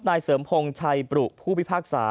นายเสริมพงศ์ชัยปรุผู้พิพากษา